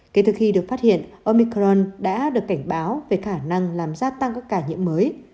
kể từ khi được phát hiện omicron đã được cảnh báo về khả năng làm gia tăng các ca nhiễm mới